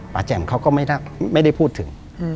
แจ่มเขาก็ไม่ได้พูดถึง